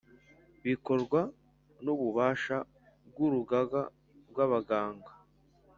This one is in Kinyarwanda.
Bikorwa n’ububasha by‘Urugaga rw’Abaganga